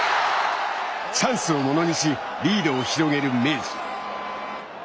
チャンスをものにしリードを広げる明治。